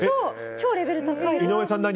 超レベル高いです！